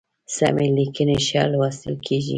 سمي لیکنی ښی لوستل کیږي